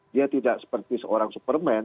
dia tidak seperti seorang superman